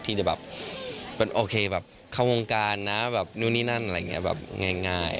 ที่จะเป็นโอเคเข้าโรงการนี่นี่นั่นง่าย